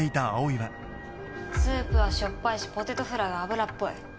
スープはしょっぱいしポテトフライは油っぽい。